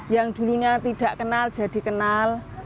yang dulunya tidak kenal jadi kenal